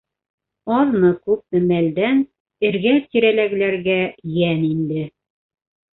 Аҙмы-күпме мәлдән эргә-тирәләгеләргә йән инде.